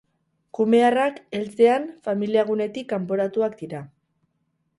Kume arrak, heltzean, familiagunetik kanporatuak dira.